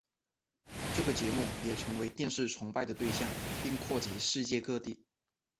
这个节目也成为电视崇拜的对象并扩及世界各地。